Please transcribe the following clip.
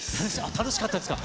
楽しかったですか？